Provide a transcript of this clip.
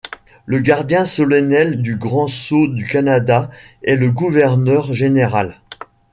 Le gardien solennel du Grand Sceau du Canada est le gouverneur général.